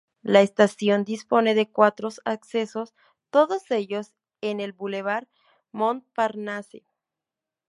La estación dispone de cuatros accesos, todos ellos en el bulevar Montparnasse.